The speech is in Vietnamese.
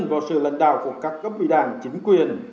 vào sự lãnh đạo của các cấp vị đảng chính quyền